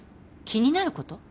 気になること？